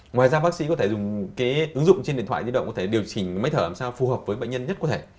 ngoài ra bác sĩ có thể dùng cái ứng dụng trên điện thoại di động có thể điều chỉnh máy thở làm sao phù hợp với bệnh nhân nhất có thể